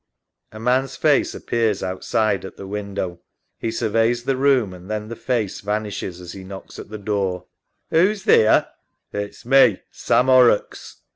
A man's face appears outside at the window. He surveys the room, and then the face vanishes as he knocks at the door) Who's theer? SAM {without). It's me, Sam Horrocks.